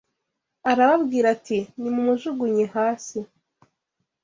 arababwira ati nimumujugunye hasi